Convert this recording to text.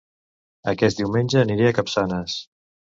Aquest diumenge aniré a Capçanes